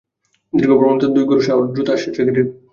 দীর্ঘ ভ্রমণরত দুই ঘোড়-সওয়ার দ্রুত অশ্ব ছুটিয়ে এক লোকালয়ে পৌঁছে।